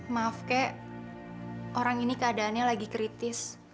maaf kek orang ini keadaannya lagi kritis